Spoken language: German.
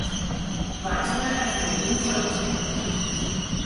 Weitere Erfindungen folgten.